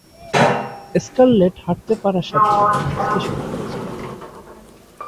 Scarlet হাঁটতে পারার সাথে সাথে নাচতে শুরু করেছিলেন।